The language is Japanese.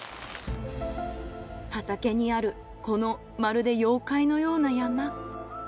畑にあるこのまるで妖怪のような山。